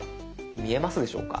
見えますでしょうか？